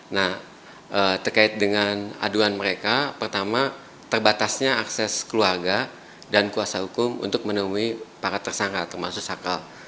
nah terkait dengan aduan mereka pertama terbatasnya akses keluarga dan kuasa hukum untuk menemui para tersangka termasuk sakral